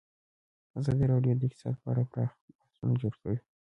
ازادي راډیو د اقتصاد په اړه پراخ بحثونه جوړ کړي.